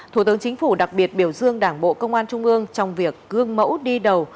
thủ tướng chính phủ đặc biệt biểu dương đảng bộ công an trung ương trong việc cương mẫu đi đầu